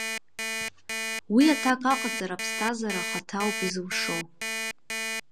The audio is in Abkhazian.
Уи аҭак аҟаҵара аԥсҭазара ахаҭа ауп изылшо.